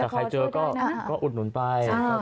ใครเจอก็อุดนุนไป